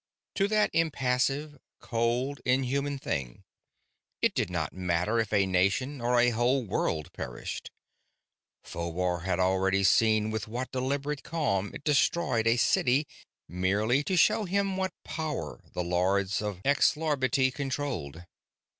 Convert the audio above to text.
To that impassive, cold, inhuman thing, it did not matter if a nation or a whole world perished. Phobar had already seen with what deliberate calm it destroyed a city, merely to show him what power the lords of Xlarbti controlled.